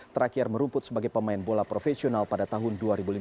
terakhir merumput sebagai pemain bola profesional pada tahun dua ribu lima belas